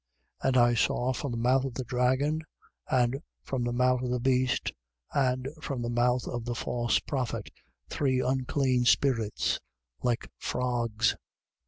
16:13. And I saw from the mouth of the dragon and from the mouth of the beast and from the mouth of the false prophet, three unclean spirits like frogs.